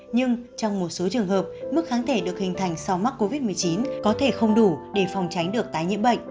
nhưng trong một số trường hợp mức kháng thể được hình thành sau mắc covid một mươi chín có thể không đủ để phòng tránh được tái nhiễm bệnh